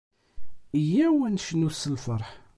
Yyaw, ad necnut s lferḥ.